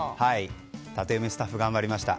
タテヨミスタッフ頑張りました。